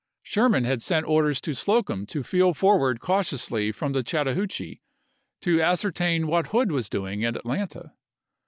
Aug.3i,i864. Sherman had sent orders to Slocum to feel for ward cautiously from the Chattahoochee to ascer tain what Hood was doing at Atlanta.